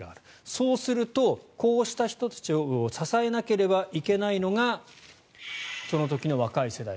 そうすると、こうした人たちを支えなければいけないのがその時の若い世代。